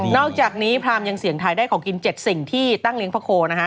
อกจากนี้พรามยังเสี่ยงทายได้ของกิน๗สิ่งที่ตั้งเลี้ยพระโคนะฮะ